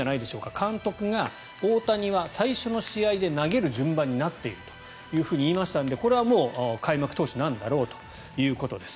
監督が、大谷は最初の試合で投げる順番になっているというふうに言いましたのでこれはもう開幕投手なんだろうということです。